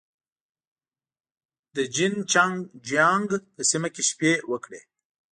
د جين چنګ جيانګ په سیمه کې شپې وکړې.